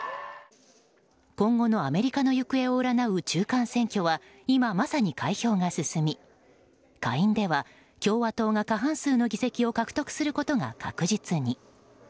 今後のアメリカの行方を占う中間選挙は今まさに開票が進み下院では共和党が過半数の議席を獲得することが確実に。